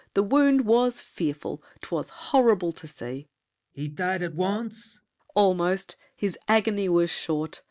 The wound was fearful. 'Twas horrible to see! LAFFEMAS. He died at once? SAVERNY. Almost. His agony was short.